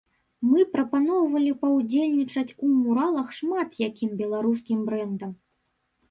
Мы прапаноўвалі паўдзельнічаць у муралах шмат якім беларускім брэндам.